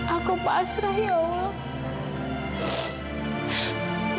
aku pasrah ya allah